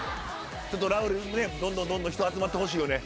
ラウールねどんどんどんどん人集まってほしいよね。